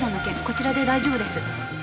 こちらで大丈夫です。